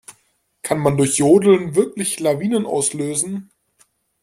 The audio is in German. Kann man durch Jodeln wirklich Lawinen auslösen?